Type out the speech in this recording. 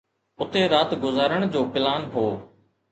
اتي رات گذارڻ جو پلان هو.